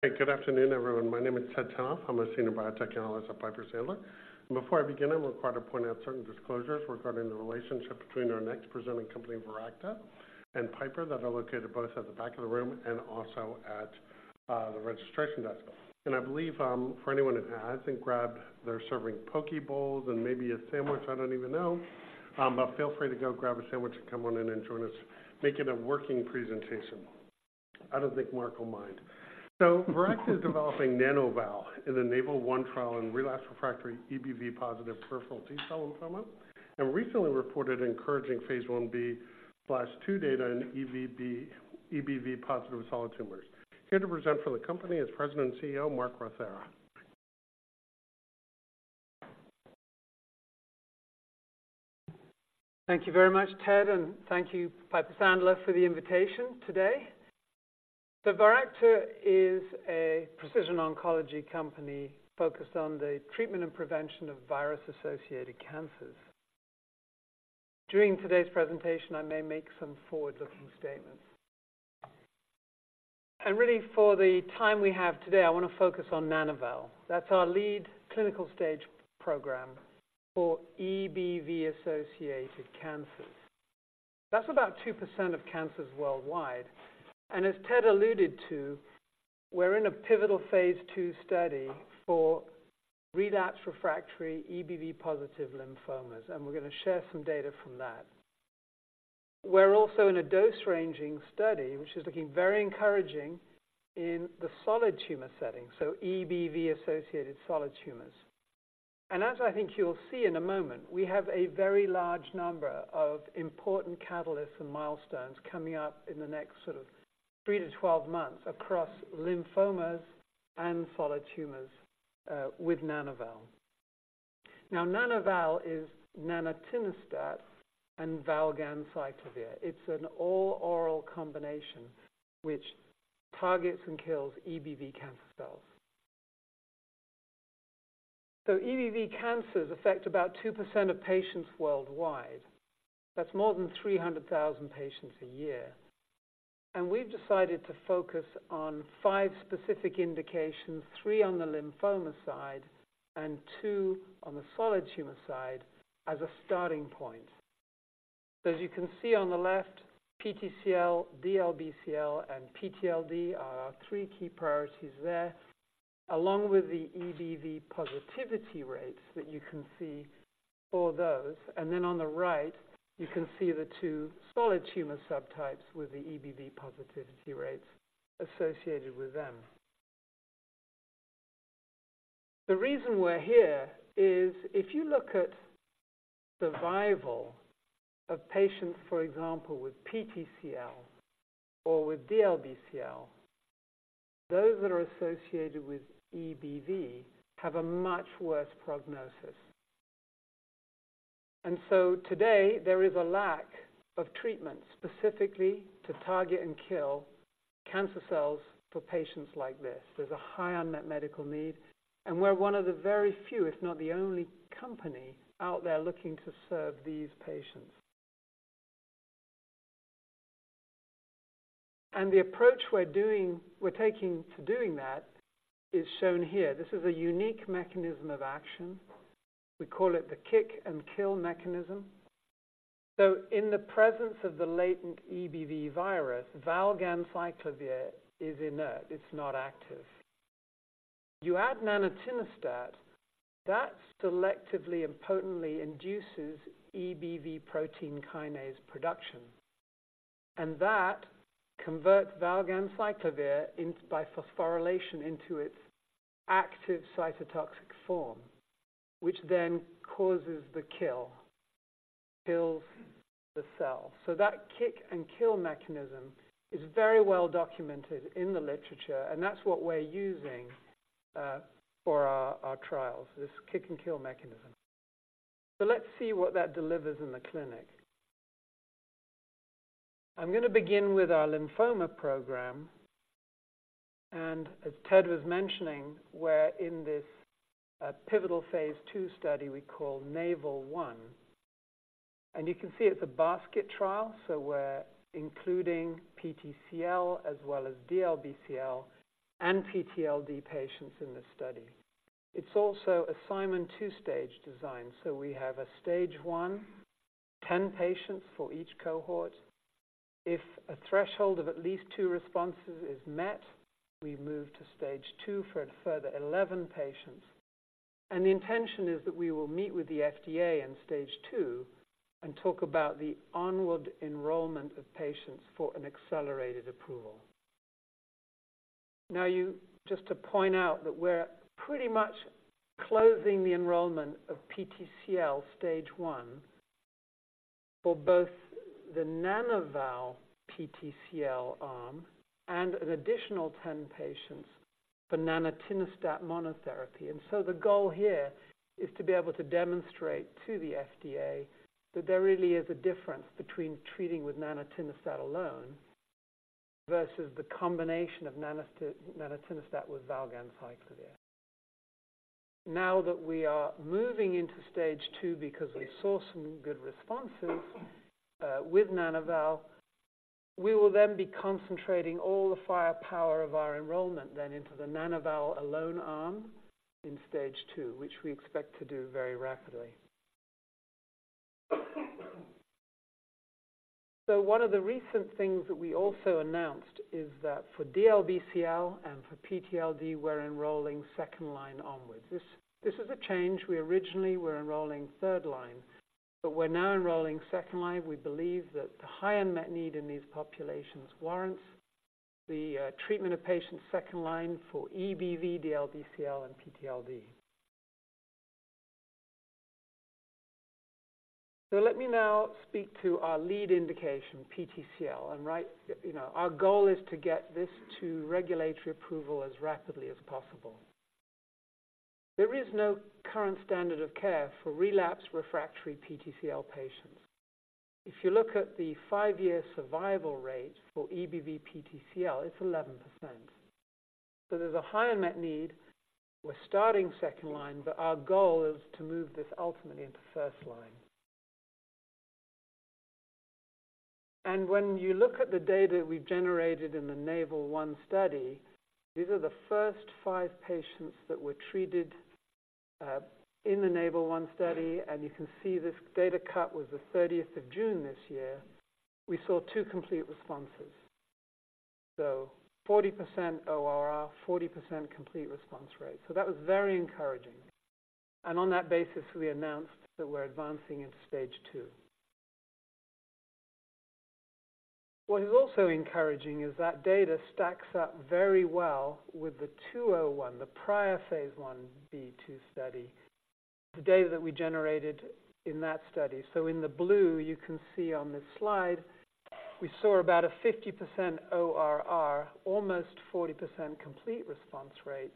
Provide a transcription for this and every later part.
Hey, good afternoon, everyone. My name is Ted Tenthoff. I'm a senior biotech analyst at Piper Sandler. And before I begin, I'm required to point out certain disclosures regarding the relationship between our next presenting company, Viracta, and Piper, that are located both at the back of the room and also at the registration desk. And I believe, for anyone who hasn't grabbed, they're serving poke bowls and maybe a sandwich, I don't even know. But feel free to go grab a sandwich and come on in and join us. Make it a working presentation. I don't think Mark will mind. So Viracta is developing Nana-val in the NAVAL-1 trial in relapsed/refractory EBV-positive peripheral T-cell lymphoma, and recently reported encouraging Phase 1b/2 data in EBV-positive solid tumors. Here to present for the company is President and CEO, Mark Rothera. Thank you very much, Ted, and thank you, Piper Sandler, for the invitation today. Viracta is a precision oncology company focused on the treatment and prevention of virus-associated cancers. During today's presentation, I may make some forward-looking statements. Really, for the time we have today, I want to focus on Nana-val. That's our lead clinical stage program for EBV-associated cancers. That's about 2% of cancers worldwide, and as Ted alluded to, we're in a pivotal Phase 2 study for relapsed/refractory EBV-positive lymphomas, and we're going to share some data from that. We're also in a dose-ranging study, which is looking very encouraging in the solid tumor setting, so EBV-associated solid tumors. And as I think you'll see in a moment, we have a very large number of important catalysts and milestones coming up in the next sort of 3-12 months across lymphomas and solid tumors with Nana-val. Now, Nana-val is nanatinostat and valganciclovir. It's an all-oral combination which targets and kills EBV cancer cells. So EBV cancers affect about 2% of patients worldwide. That's more than 300,000 patients a year. And we've decided to focus on five specific indications, three on the lymphoma side and two on the solid tumor side, as a starting point. So as you can see on the left, PTCL, DLBCL, and PTLD are our three key priorities there, along with the EBV positivity rates that you can see for those. And then on the right, you can see the two solid tumor subtypes with the EBV positivity rates associated with them. The reason we're here is if you look at survival of patients, for example, with PTCL or with DLBCL, those that are associated with EBV have a much worse prognosis. And so today, there is a lack of treatment specifically to target and kill cancer cells for patients like this. There's a high unmet medical need, and we're one of the very few, if not the only company, out there looking to serve these patients. And the approach we're taking to doing that is shown here. This is a unique mechanism of action. We call it the kick and kill mechanism. So in the presence of the latent EBV virus, valganciclovir is inert, it's not active. You add nanatinostat, that selectively and potently induces EBV protein kinase production, and that converts valganciclovir into, by phosphorylation, into its active cytotoxic form, which then causes the kill, kills the cell. So that kick and kill mechanism is very well documented in the literature, and that's what we're using for our trials, this kick and kill mechanism. So let's see what that delivers in the clinic. I'm going to begin with our lymphoma program, and as Ted was mentioning, we're in this pivotal phase II study we call NAVAL-1, and you can see it's a basket trial, so we're including PTCL as well as DLBCL and PTLD patients in this study. It's also Simon two-stage design, so we have a Stage I, 10 patients for each cohort. If a threshold of at least two responses is met, we move to Stage II for a further 11 patients, and the intention is that we will meet with the FDA in Stage II and talk about the onward enrollment of patients for an accelerated approval. Now, you... Just to point out that we're pretty much closing the enrollment of PTCL Stage I for both the Nana-val PTCL arm and an additional 10 patients for nanatinostat monotherapy. And so the goal here is to be able to demonstrate to the FDA that there really is a difference between treating with nanatinostat alone versus the combination of nanatinostat with valganciclovir. Now that we are moving into Stage II because we saw some good responses with Nana-val, we will then be concentrating all the firepower of our enrollment then into the Nana-val alone arm in Stage II, which we expect to do very rapidly. So one of the recent things that we also announced is that for DLBCL and for PTLD, we're enrolling second line onwards. This, this is a change. We originally were enrolling third line, but we're now enrolling second line. We believe that the high unmet need in these populations warrants the treatment of patients second line for EBV, DLBCL, and PTLD. So let me now speak to our lead indication, PTCL, and right, you know, our goal is to get this to regulatory approval as rapidly as possible. There is no current standard of care for relapsed refractory PTCL patients. If you look at the five-year survival rate for EBV PTCL, it's 11%. So there's a high unmet need. We're starting second line, but our goal is to move this ultimately into first line. And when you look at the data we've generated in the NAVAL-1 study, these are the first 5 patients that were treated in the NAVAL-1 study, and you can see this data cut was the 30th of June this year. We saw two complete responses. So 40% ORR, 40% complete response rate. So that was very encouraging. And on that basis, we announced that we're advancing into Stage II. What is also encouraging is that data stacks up very well with the 201, the prior Phase 1b/2 study, the data that we generated in that study. So in the blue, you can see on this slide, we saw about a 50% ORR, almost 40% complete response rate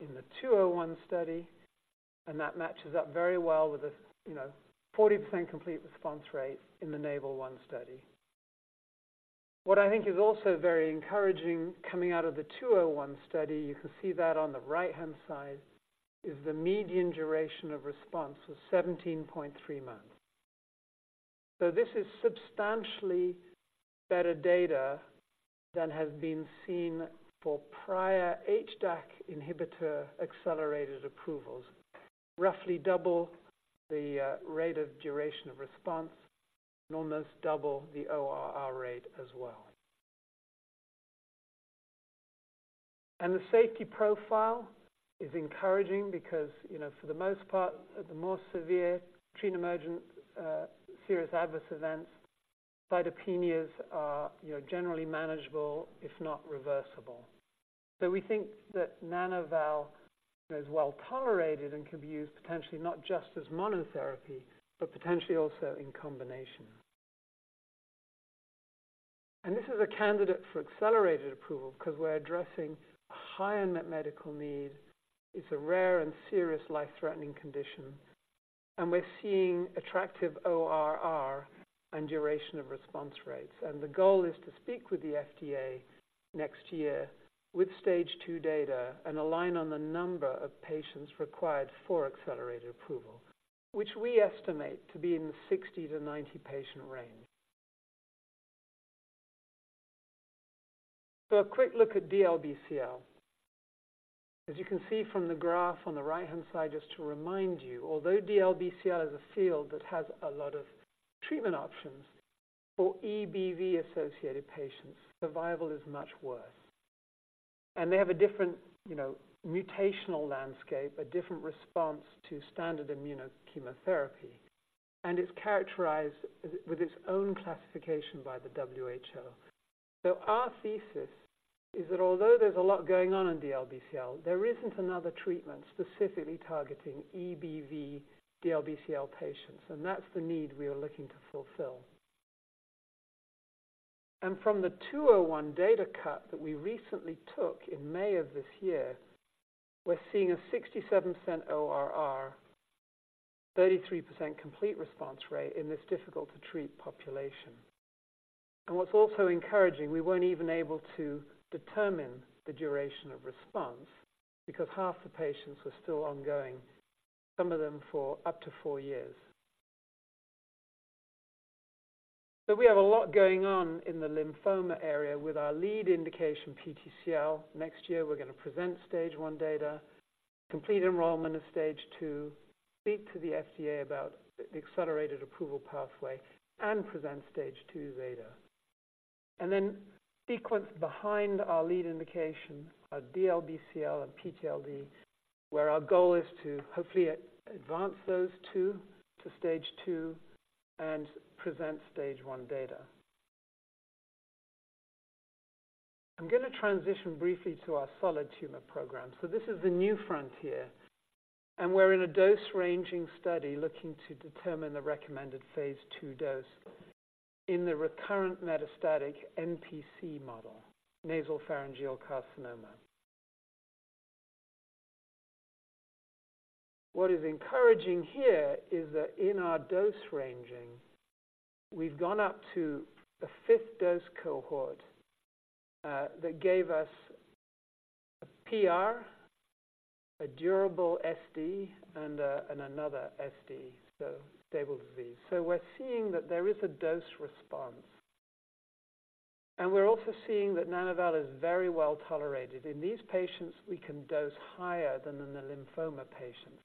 in the 201 study, and that matches up very well with a, you know, 40% complete response rate in the NAVAL-1 study. What I think is also very encouraging, coming out of the 201 study, you can see that on the right-hand side, is the median duration of response was 17.3 months. So this is substantially better data than has been seen for prior HDAC inhibitor accelerated approvals, roughly double the rate of duration of response, and almost double the ORR rate as well. And the safety profile is encouraging because, you know, for the most part, the more severe treatment-emergent serious adverse events, cytopenias are, you know, generally manageable, if not reversible. So we think that Nana-val is well tolerated and can be used potentially not just as monotherapy, but potentially also in combination. And this is a candidate for accelerated approval because we're addressing a high unmet medical need. It's a rare and serious life-threatening condition, and we're seeing attractive ORR and duration of response rates. And the goal is to speak with the FDA next year with Stage II data and align on the number of patients required for accelerated approval, which we estimate to be in the 60-90 patient range. So a quick look at DLBCL. As you can see from the graph on the right-hand side, just to remind you, although DLBCL is a field that has a lot of treatment options, for EBV-associated patients, survival is much worse. They have a different, you know, mutational landscape, a different response to standard immunochemotherapy, and it's characterized with its own classification by the WHO. So our thesis is that although there's a lot going on in DLBCL, there isn't another treatment specifically targeting EBV DLBCL patients, and that's the need we are looking to fulfill. And from the 201 data cut that we recently took in May of this year, we're seeing a 67% ORR, 33% complete response rate in this difficult-to-treat population. And what's also encouraging, we weren't even able to determine the duration of response because half the patients were still ongoing, some of them for up to four years. So we have a lot going on in the lymphoma area with our lead indication, PTCL. Next year, we're going to present Stage I data, complete enrollment of Stage II, speak to the FDA about the accelerated approval pathway and present Stage II data. Then sequence behind our lead indication are DLBCL and PTLD, where our goal is to hopefully advance those two to Stage II and present Stage I data. I'm going to transition briefly to our solid tumor program. So this is the new frontier, and we're in a dose-ranging study looking to determine the recommended phase II dose in the recurrent metastatic NPC model, nasopharyngeal carcinoma. What is encouraging here is that in our dose ranging, we've gone up to the fifth dose cohort that gave us a PR, a durable SD, and another SD, so stable disease. So we're seeing that there is a dose-response, and we're also seeing that Nana-val is very well tolerated. In these patients, we can dose higher than in the lymphoma patients,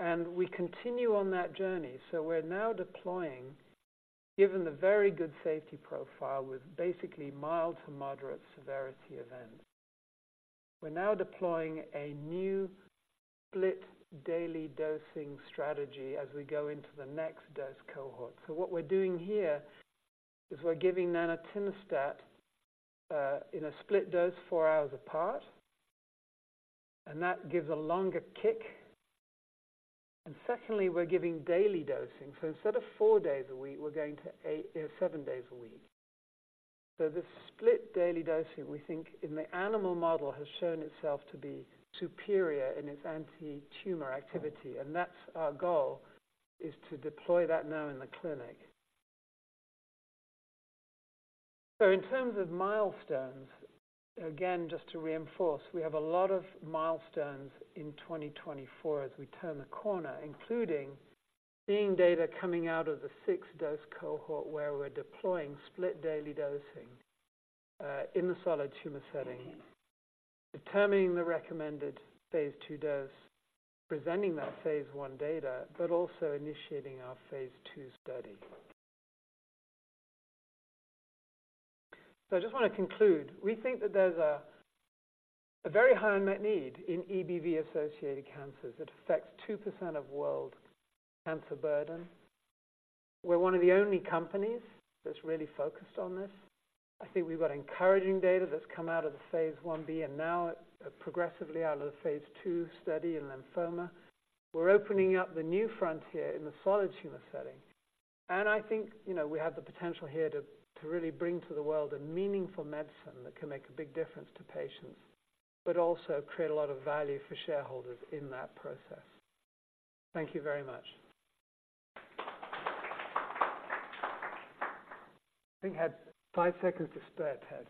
and we continue on that journey. So we're now deploying, given the very good safety profile, with basically mild to moderate severity events. We're now deploying a new split daily dosing strategy as we go into the next dose cohort. So what we're doing here is we're giving nanatinostat in a split dose, four hours apart, and that gives a longer kick. And secondly, we're giving daily dosing. So instead of four days a week, we're going to eight, seven days a week. So this split daily dosing, we think in the animal model, has shown itself to be superior in its anti-tumor activity, and that's our goal, is to deploy that now in the clinic. So in terms of milestones, again, just to reinforce, we have a lot of milestones in 2024 as we turn the corner, including seeing data coming out of the six-dose cohort, where we're deploying split daily dosing, in the solid tumor setting, determining the recommended phase II dose, presenting that phase I data, but also initiating our phase II study. So I just want to conclude. We think that there's a very high unmet need in EBV-associated cancers that affects 2% of world cancer burden. We're one of the only companies that's really focused on this. I think we've got encouraging data that's come out of the Phase 1b, and now progressively out of the phase II study in lymphoma. We're opening up the new frontier in the solid tumor setting, and I think, you know, we have the potential here to really bring to the world a meaningful medicine that can make a big difference to patients, but also create a lot of value for shareholders in that process. Thank you very much. I think I had five seconds to spare, Ted?